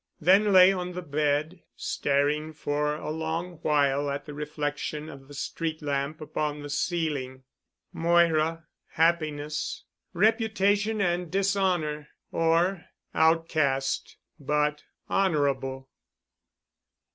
Then lay on the bed, staring for a long while at the reflection of the street lamp upon the ceiling: Moira ... happiness ... reputation—and dishonor. Or ... outcast ... but honorable.